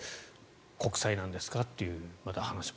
国債なんですかという話も。